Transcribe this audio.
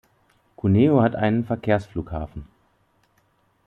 Cuneo hat einen Verkehrsflughafen.